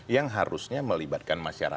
yang harusnya melibatkan masyarakat